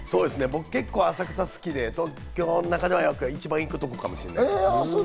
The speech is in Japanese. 僕、結構浅草が好きで、東京では一番行くところかもしれないですね。